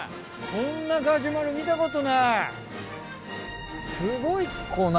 こんなガジュマル見たことない！